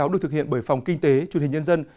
được thực hiện bởi phòng kinh tế chủ tịch nhân dân